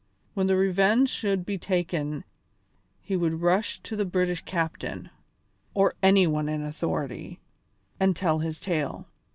When the Revenge should be taken he would rush to the British captain, or any one in authority, and tell his tale.